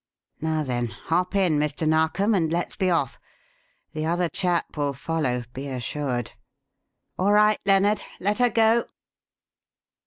Now, then, hop in, Mr. Narkom, and let's be off. The other chap will follow, be assured. All right, Lennard. Let her go!"